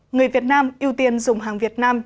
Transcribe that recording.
người việt nam ưu tiên dùng hàng